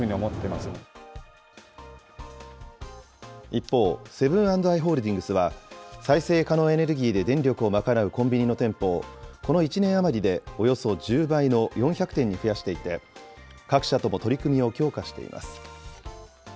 一方、セブン＆アイ・ホールディングスは再生可能エネルギーで電力を賄うコンビニの店舗をこの１年余りでおよそ１０倍の４００店に増やしていて、各社とも取り組みを強化しています。